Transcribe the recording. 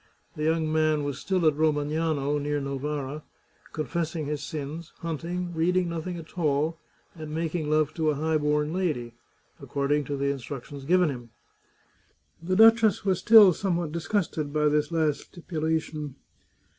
The young man was still at Romagnano, near No vara, confessing his sins, hunting, reading nothing at all, and making love to a high born lady — according to the in structions given him. The duchess was still somewhat dis gusted by this last stipulation.